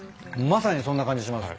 まさにそんな感じします。